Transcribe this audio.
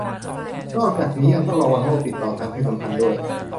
นอกจากนี้ยังต้องระวังโรคติดต่อทางเพศสัมพันธ์ด้วย